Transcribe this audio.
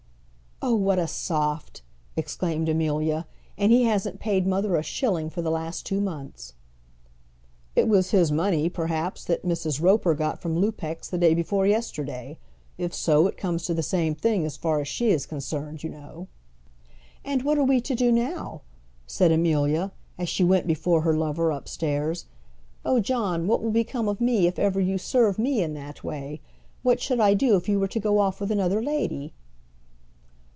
"Oh, what a soft!" exclaimed Amelia; "and he hasn't paid mother a shilling for the last two months!" "It was his money, perhaps, that Mrs. Roper got from Lupex the day before yesterday. If so, it comes to the same thing as far as she is concerned, you know." "And what are we to do now?" said Amelia, as she went before her lover upstairs. "Oh, John, what will become of me if ever you serve me in that way? What should I do if you were to go off with another lady?"